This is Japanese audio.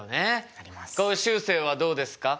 しゅうせいはどうですか？